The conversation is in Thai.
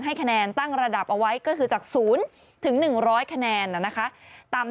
คะแนนตั้งระดับเอาไว้ก็คือจาก๐๑๐๐คะแนนนะคะ